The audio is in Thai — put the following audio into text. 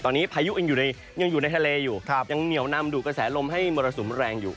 ตอนนี้พายุยังอยู่ในทะเลอยู่ยังเหนียวนำดูกระแสลมให้มรสุมแรงอยู่